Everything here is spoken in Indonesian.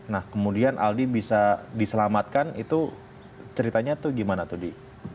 nah kemudian aldi bisa diselamatkan itu ceritanya tuh gimana tuh di